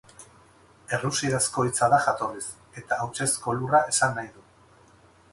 Errusierazko hitza da jatorriz eta hautsezko lurra esan nahi du.